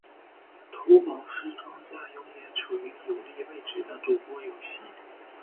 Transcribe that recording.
骰宝是庄家永远处于有利位置的赌博游戏。